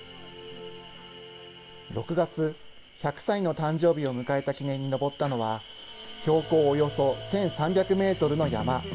６月、１００歳の誕生日を迎えた記念に登ったのは標高およそ１３００メートルの山。